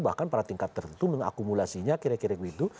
bahkan pada tingkat tertentu mengakumulasinya kira kira begitu